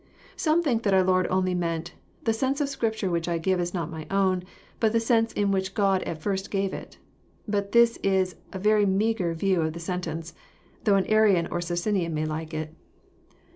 Some think that our Lord only meant, " The sense ot Scrip ture which I give is not my own, but the sense in which God at first gave it." But this is a very meagre view of the sentence, though an Arian or Socinian may like it.